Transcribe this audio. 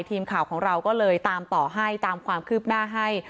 ทีมข่าวของเราก็เลยตามต่อให้ตามความคืบหน้าให้